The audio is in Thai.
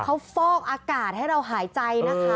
เขาฟอกอากาศให้เราหายใจนะคะ